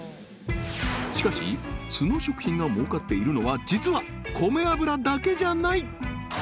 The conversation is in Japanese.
しかし築野食品が儲かっているのは実はこめ油だけじゃない！